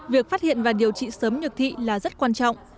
việc phát hiện và điều trị sớm nhược thị là rất quan trọng